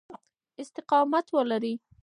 استقامت ولرئ.